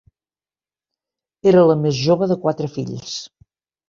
Era la més jove de quatre fills.